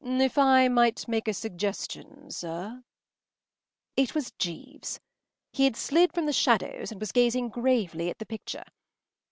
“If I might make a suggestion, sir!” It was Jeeves. He had slid from the shadows and was gazing gravely at the picture.